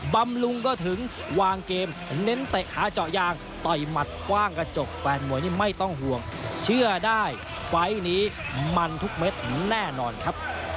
บำรุงก็ถึงวางเกมเน้นเตะขาเจาะยางต่อยหมัดกว้างกระจกแฟนมวยนี่ไม่ต้องห่วงเชื่อได้ไฟล์นี้มันทุกเม็ดแน่นอนครับ